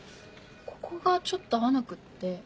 ここがちょっと合わなくって。